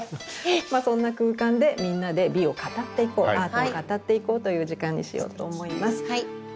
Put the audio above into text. まあそんな空間でみんなで美を語っていこうアートを語っていこうという時間にしようと思います。